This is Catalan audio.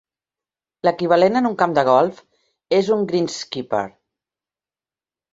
L'equivalent en un camp de golf és un greenskeeper.